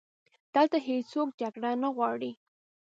دلته هیڅوک جګړه نه غواړي